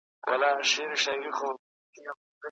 که مورنۍ ژبه وي، نو په زده کړه کې آسانتیاوې وي.